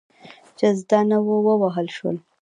چې زده نه وو، ووهل شول.